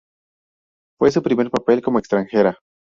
Fue su primer papel como extranjera.